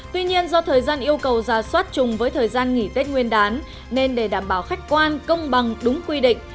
tuy nhiên do thời gian yêu cầu giả soát chung với thời gian nghỉ tết nguyên đán nên để đảm bảo khách quan công bằng đúng quy định